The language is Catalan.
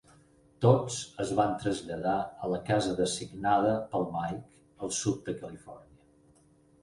Tots es van traslladar a la casa designada pel Mike al sud de Califòrnia.